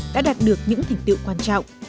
đã đạt được những thành tựu quan trọng